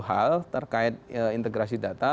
hal terkait integrasi data